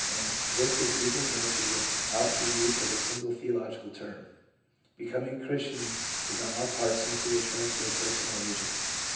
And this is easily answered without the use of a single theological term. Becoming a Christian is on our part simply a transfer of personal allegiance.